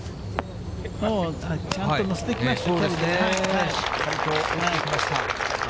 ちゃんと乗せてきました。